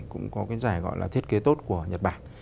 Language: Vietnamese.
cũng có cái giải gọi là thiết kế tốt của nhật bản